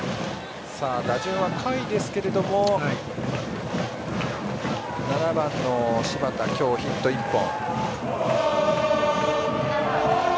打順は下位ですけども７番の柴田、今日ヒット１本。